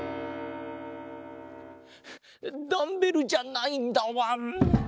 ダンベルじゃないんだわん。